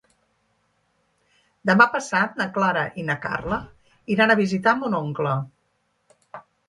Demà passat na Clara i na Carla iran a visitar mon oncle.